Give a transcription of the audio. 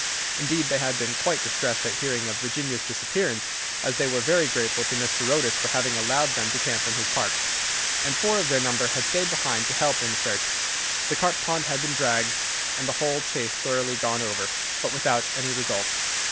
Indeed, they had been quite distressed at hearing of Virginia's disappearance, as they were very grateful to Mr. Otis for having allowed them to camp in his park, and four of their number had stayed behind to help in the search. The carp pond had been dragged, and the whole Chase thoroughly gone over, but without any result.